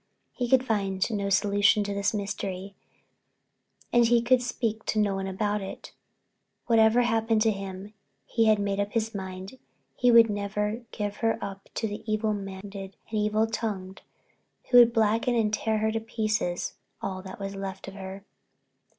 He could find no solution to this mystery and he could speak to no one about it. Whatever happened to him, he had made up his mind he would never give her up to the evil minded and evil tongued who would blacken and tear to pieces all that was left of her.